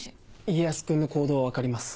家康君の行動は分かります。